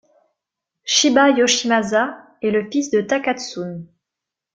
Shiba Yoshimasa est le fils de Takatsune.